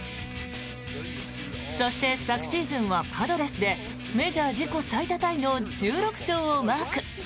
そして、昨シーズンはパドレスでメジャー自己最多タイの１６勝をマーク。